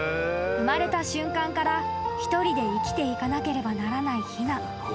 ［生まれた瞬間から一人で生きていかなければならないひな］